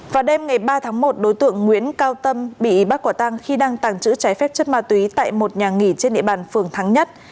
vào đêm ngày ba tháng một đối tượng nguyễn cao tâm bị bắt quả tăng khi đang tàng trữ trái phép chất ma túy tại một nhà nghỉ trên địa bàn phường thắng nhất